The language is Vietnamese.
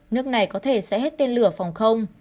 nước này có thể sẽ hết tên lửa phòng không